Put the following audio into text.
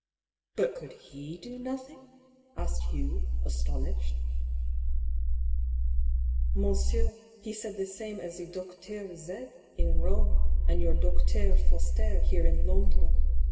" But could he do nothing ?" asked Hugh, astonished. " Monsieur, he said the same as the Docteur Z. in Eome, and your Docteur Fosterre here in Londres.